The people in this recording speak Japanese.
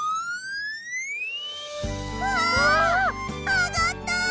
あがった！